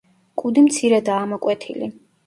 კუდი მცირედაა ამოკვეთილი.